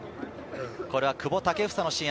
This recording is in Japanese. これは久保建英のシーン。